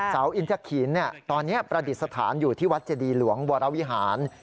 อินทะขีนตอนนี้ประดิษฐานอยู่ที่วัดเจดีหลวงวรวิหาร